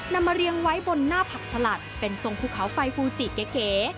นำมาเรียงไว้บนหน้าผักสลัดเป็นทรงภูเขาไฟฟูจิเก๋